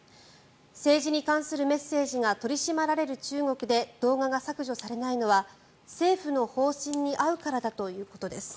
政治に関するメッセージが取り締まられる中国で動画が削除されないのは政府の方針に合うからだということです。